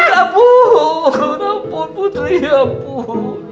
ya ampun ya ampun putri ya ampun